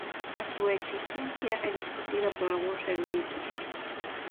A súa existencia é discutida por algúns eruditos.